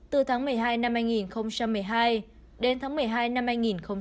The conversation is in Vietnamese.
từ tháng một mươi hai năm hai nghìn một mươi hai đến tháng một mươi hai năm hai nghìn một mươi tám